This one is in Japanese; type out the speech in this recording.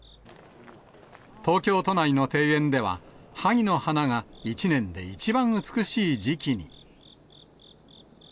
東京都内の庭園では、はぎの花が一年で一番美しい時期に。